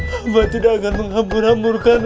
allah tidak akan menghambur hamburkan